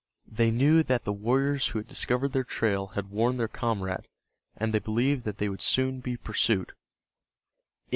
They knew that the warriors who had discovered their trail had warned their comrade, and they believed that they would soon be pursued.